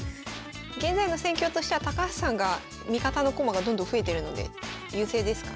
現在の戦況としては高橋さんが味方の駒がどんどん増えてるので優勢ですかね。